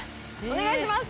お願いします